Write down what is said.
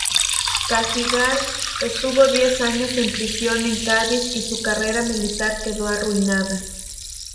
Cagigal estuvo diez años en prisión en Cádiz y su carrera militar quedó arruinada.